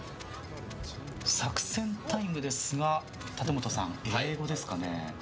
作戦タイムですが立本さん英語ですかね。